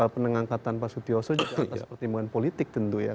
penengangkatan pak sutioso juga atas pertimbangan politik tentu ya